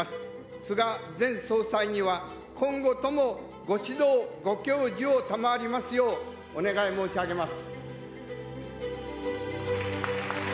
菅前総裁には、今後ともご指導、ご教授を賜りますよう、お願い申し上げます。